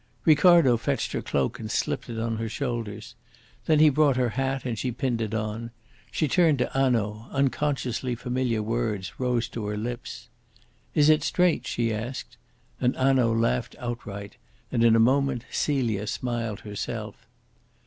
Ricardo fetched her cloak and slipped it on her shoulders. Then he brought her hat, and she pinned it on. She turned to Hanaud; unconsciously familiar words rose to her lips. "Is it straight?" she asked. And Hanaud laughed outright, and in a moment Celia smiled herself.